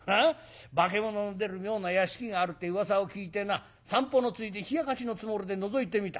化物の出る妙な屋敷があるってうわさを聞いてな散歩のついで冷やかしのつもりでのぞいてみた。